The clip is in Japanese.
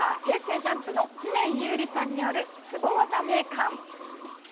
ＪＵＭＰの知念侑李さんによるスゴ技名鑑。